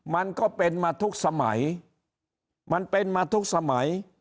มันก็เป็นมาทุกสมัยมันเป็นมาทุกสมัย